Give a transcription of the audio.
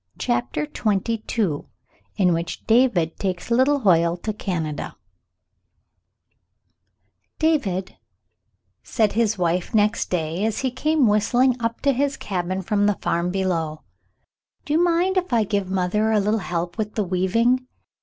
CHAPTER XXn IN WHICH DAVID TAKES LITTLE HOYLE TO CANADA "David," said his wife next day, as he came whistling up to his cabin from the farm below, "do you mind if I give mother a little help with the weaving